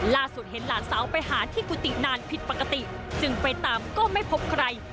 ล่าสุดเห็นหลานสาวไปหาที่กุฏินานผิดปกติจึงไปตามก็ไม่พบใคร